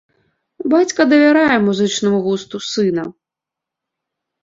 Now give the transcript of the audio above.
Бацька давярае музычнаму густу сына.